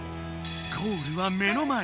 ゴールは目の前。